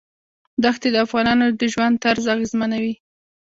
دښتې د افغانانو د ژوند طرز اغېزمنوي.